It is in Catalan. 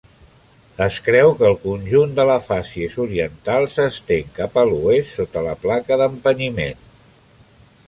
Es creu que el conjunt de la fàcies oriental s'estén cap a l'oest sota la placa d"empenyiment.